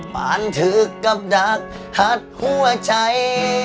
ผ่านถือกับดักหัดหัวใจ